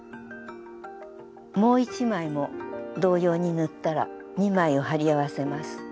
もう１枚も同様に塗ったら２枚を貼り合わせます。